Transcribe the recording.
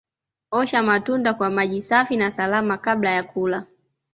Osha matunda kwa maji safi na salama kabla ya kula